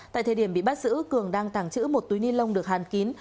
tại thời điểm bị bắt giữ cường đang tàng trữ một túi ni lông được hàn kín